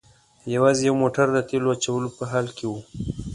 یوازې یو موټر د تیلو اچولو په حال کې و.